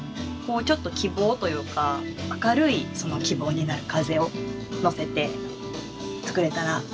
ちょっと希望というか明るい希望になる風をのせて作れたらいいな。